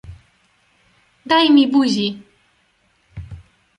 "daj mi buzi!"